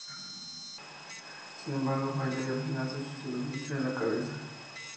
Sin embargo, falló y al final se suicidó de un tiro en la cabeza.